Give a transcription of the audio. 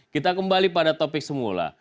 kita kembali pada topik semula